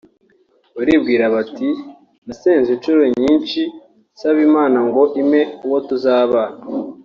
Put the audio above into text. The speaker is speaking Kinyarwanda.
Baribwira bati ‘nasenze incuro nyinshi nsaba Imana ngo impe uwo tuzabana